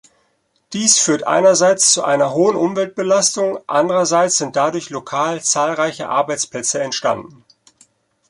Dies führt einerseits zu einer hohen Umweltbelastung, andererseits sind dadurch lokal zahlreiche Arbeitsplätze entstanden.